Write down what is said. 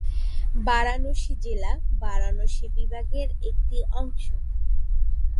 বারাণসী জেলা বারাণসী বিভাগের একটি অংশ।